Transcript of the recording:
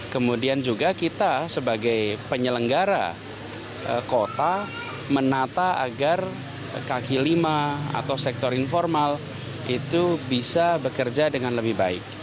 kemudian juga kita sebagai penyelenggara kota menata agar kaki lima atau sektor informal itu bisa bekerja dengan lebih baik